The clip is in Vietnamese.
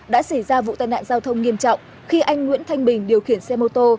đã xảy ra vụ tai nạn giao thông nghiêm trọng khi anh nguyễn thanh bình điều khiển xe mô tô